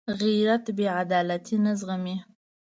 غیرت بېعدالتي نه زغمي